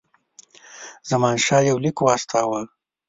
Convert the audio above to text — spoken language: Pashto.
زمانشاه یو لیک واستاوه.